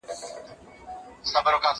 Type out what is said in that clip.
کېدای سي لوښي نم وي،